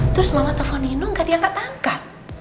terus mama telepon nino gak diangkat angkat